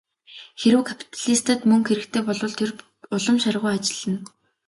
Хэрэв капиталистад мөнгө хэрэгтэй болбол тэр улам шаргуу ажиллана.